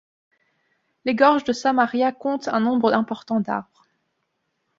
Les gorges de Samaria comptent un nombre important d'arbres.